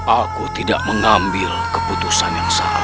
aku tidak mengambil keputusan yang salah